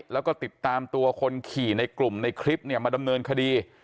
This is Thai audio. แล้วก็ติดตามตัวคนขี่ในกลุ่มในคลิปมาดำเนินคดี